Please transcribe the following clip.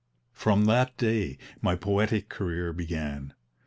"From that day my 'poetic career' began.